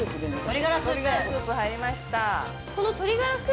鶏がらスープ入りました